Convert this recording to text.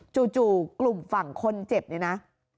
จู่กลุ่มฝั่งคนเจ็บเนี่ยนะ